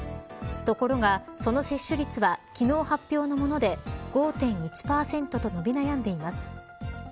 ところが、その接種率は昨日、発表のもので５．１％と伸び悩んでいます。